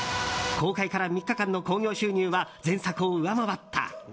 公開から３日間の興行収入は前作を上回った。